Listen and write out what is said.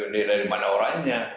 dari mana orangnya